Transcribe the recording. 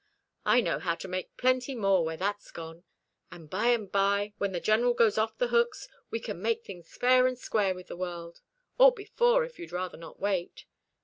I know how to make plenty more when that's gone. And by and by, when the General goes off the hooks, we can make things fair and square with the world or before, if you'd rather not wait.